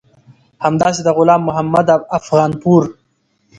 همداسې د غلام محمد افغانپور